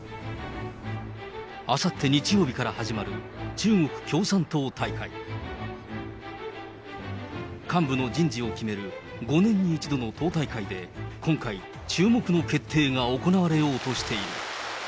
あさって日曜日から始まる中国共産党大会。幹部の人事を決める５年に１度の党大会で、今回、注目の決定が行われようとしている。